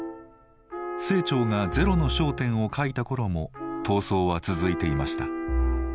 清張が「ゼロの焦点」を書いた頃も闘争は続いていました。